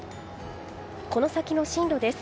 この先の進路です。